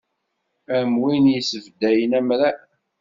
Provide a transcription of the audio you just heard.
Am win i yesbeddayen amrar.